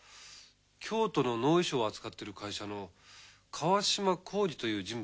京都の能衣装を扱ってる会社の川島幸司という人物のことは？